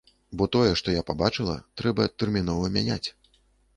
Бо тое, што я пабачыла, трэба тэрмінова мяняць.